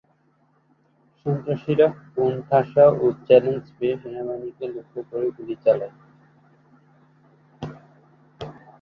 সন্ত্রাসীরা কোণঠাসা ও চ্যালেঞ্জ পেয়ে সেনাবাহিনীকে লক্ষ্য করে গুলি চালায়।